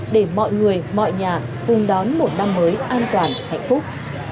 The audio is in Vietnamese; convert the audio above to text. để mọi người mọi nhà cùng đón một năm mới an toàn hạnh phúc